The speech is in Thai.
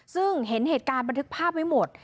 ซึ่งเห็นเหตุการณ์บันทึกภาพไว้หมด